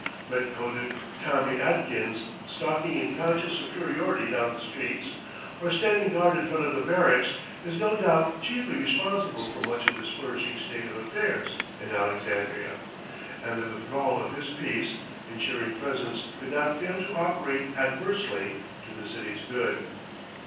Red coated "Tommy Atkins," stalking in conscious superiority down the streets, or standing guard in front of the barracks, is no doubt chiefly responsible for much of this flourishing state of affairs in Alexandria, and the withdrawal of his peace insuring presence could not fail to operate adversely to the city's good.